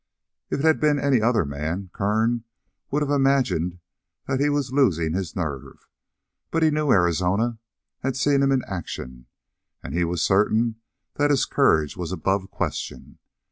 If it had been any other man, Kern would have imagined that he was losing his nerve; but he knew Arizona, had seen him in action, and he was certain that his courage was above question.